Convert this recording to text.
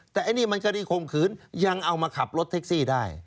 แต่ไอ้นี่มันคดีข่มขืนยังเอามาขับรถแท็กซี่ได้